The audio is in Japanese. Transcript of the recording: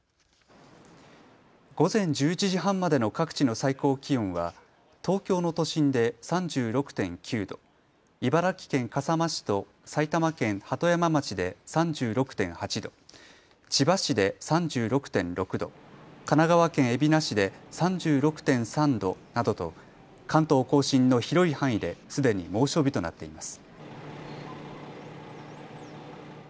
午前１１時半までの各地の最高気温は東京の都心で３６．９度、茨城県笠間市と埼玉県鳩山町で３６．８度、千葉市で３６．６度、神奈川県海老名市で３６．３度などと関東甲信の広い範囲ですでに猛暑日となっています。